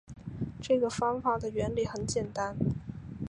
这个方法的原理很简单